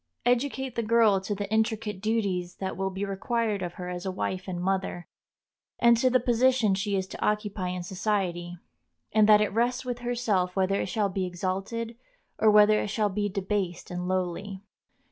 Educate the girl to the intricate duties that will be required of her as a wife and mother, and to the position she is to occupy in society, and that it rests with herself whether it shall be exalted or whether it shall be debased and lowly.